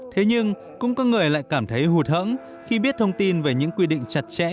thế nhưng cũng có người lại cảm thấy hụt hẫng khi biết thông tin về những quy định chặt chẽ